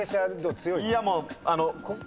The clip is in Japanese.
強い？